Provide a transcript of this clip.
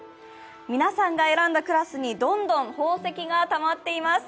皆さんが選んだクラスにどんどん宝石がたまっています。